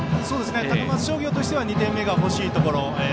高松商業としては２点目が欲しいところ。